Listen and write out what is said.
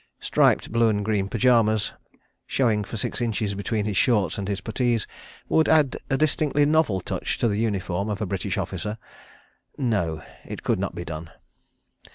Striped blue and green pyjamas, showing for six inches between his shorts and his puttees, would add a distinctly novel touch to the uniform of a British officer. ... No. It could not be done.